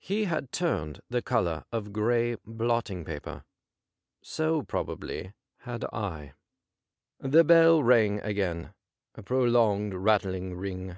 He had turned the colour of gray blotting paper ; so probably had I. The bell rang again — a prolonged, rattling ring.